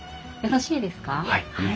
はい。